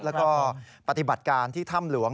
แล้วก็ปฏิบัติการที่ถ้ำหลวง